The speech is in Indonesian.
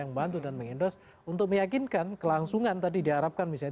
yang membantu dan mengendos untuk meyakinkan kelangsungan tadi diharapkan misalnya